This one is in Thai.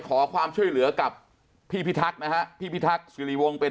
ขอความช่วยเหลือกับพี่พิทักษ์นะฮะพี่พิทักษิริวงศ์เป็น